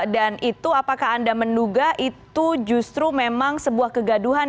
dan itu apakah anda menduga itu justru memang sebuah kegaduhan